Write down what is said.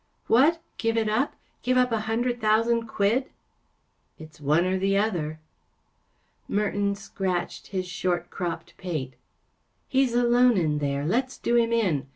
‚ÄĚ " What! Give it up ? Give up a hundred thousand quid ? ‚ÄĚ " It’s one or the other." Merton scratched his short cropped pate. “ He’s alone in there. Let’s do him in.